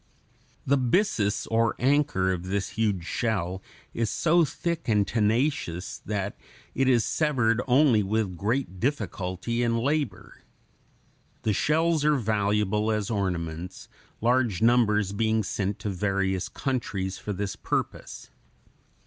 The byssus or anchor of this huge shell is so thick and tenacious that it is severed only with great difficulty and labor. The shells are valuable as ornaments, large numbers being sent to various countries for this purpose.